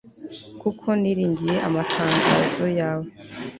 kuko niringiye amatangazo yawe